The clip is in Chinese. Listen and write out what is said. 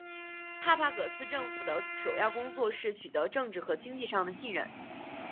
帕帕戈斯政府的首要工作是取得政治和经济上的信任。